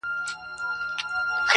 ستا د موسکا، ستا د ګلونو د ګېډیو وطن!!